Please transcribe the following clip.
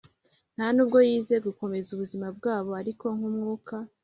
ntanubwo yize gukomeza ubuzima bwabo ariko nk'umwuka -